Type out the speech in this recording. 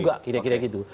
gaya itu kira kira gitu